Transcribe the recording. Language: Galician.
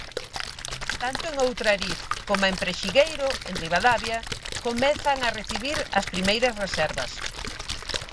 Tanto en Outrariz coma en Prexigueiro, en Ribadavia, comezan a recibir as primeiras reservas.